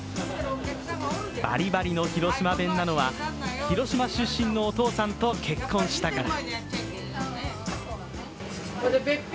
バリバリの広島弁なのは、広島出身のお父さんと結婚したから。